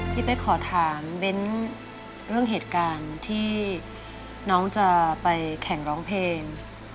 พี่เป๊กขอถามเบ้นเรื่องเหตุการณ์ที่น้องจะไปแข่งร้องเพลง